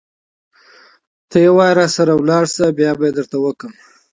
ته يوارې راسره لاړ شه بيا به يې درته وکړم.